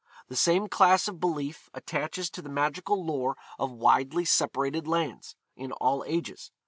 The same class of belief attaches to the magical lore of widely separated lands, in all ages.